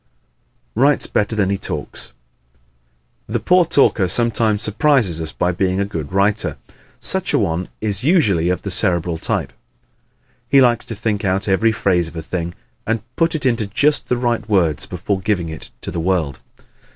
Writes Better than He Talks ¶ The poor talker sometimes surprises us by being a good writer. Such a one is usually of the Cerebral type. He likes to think out every phase of a thing and put it into just the right words before giving it to the world.